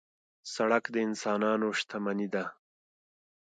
سړک د انسانانو شتمني ده.